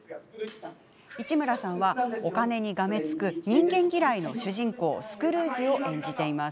市村さんは、お金にがめつく人間嫌いの主人公スクルージを演じています。